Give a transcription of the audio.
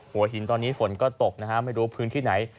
หัวหินตอนนี้ฝนก็ตกนะฮะไม่รู้พื้นที่ไหน